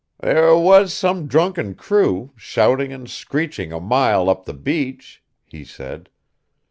"There was some drunken crew, shouting and screeching a mile up the beach," he said.